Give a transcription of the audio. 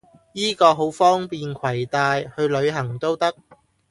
依個好方便携帶，去旅行都得